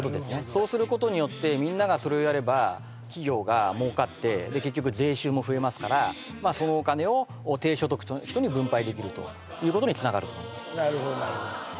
そうすることによってみんながそれをやれば企業が儲かって結局税収も増えますからそのお金を低所得の人に分配できるということにつながると思うんです